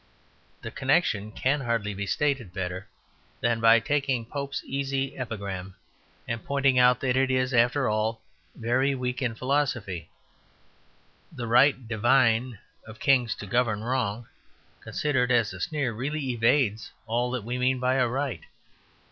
The connection can hardly be stated better than by taking Pope's easy epigram and pointing out that it is, after all, very weak in philosophy. "The right divine of kings to govern wrong," considered as a sneer, really evades all that we mean by "a right."